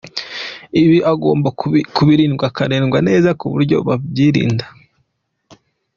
Ibi agomba kubirindwa akarerwa neza ku buryo babyirinda.